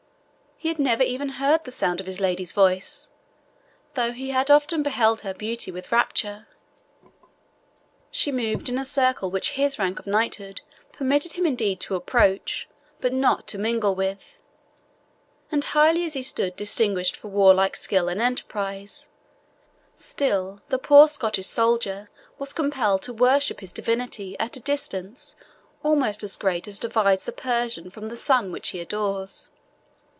He had never even heard the sound of his lady's voice, though he had often beheld her beauty with rapture. She moved in a circle which his rank of knighthood permitted him indeed to approach, but not to mingle with; and highly as he stood distinguished for warlike skill and enterprise, still the poor Scottish soldier was compelled to worship his divinity at a distance almost as great as divides the Persian from the sun which he adores.